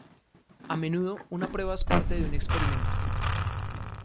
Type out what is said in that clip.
A menudo una prueba es parte de un experimento.